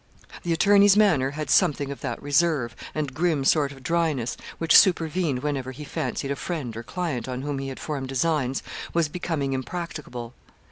The attorney's manner had something of that reserve, and grim sort of dryness, which supervened whenever he fancied a friend or client on whom he had formed designs was becoming impracticable.